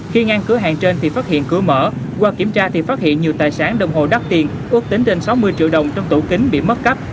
khi ngang cửa hàng trên thì phát hiện cửa mở qua kiểm tra thì phát hiện nhiều tài sản đồng hồ đắt tiền ước tính trên sáu mươi triệu đồng trong tủ kính bị mất cắp